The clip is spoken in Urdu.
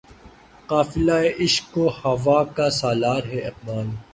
قافلہِ عشق و وفا کا سالار ہے اقبال